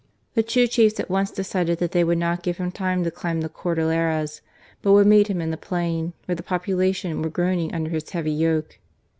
The two chiefs at once decided that they would not give him time to climb the Cordilleras, but would meet him in the plain, where the population were groaning under his heavy yoke.